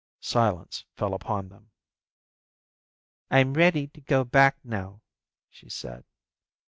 Silence fell upon them. "I'm ready to go back now," she said.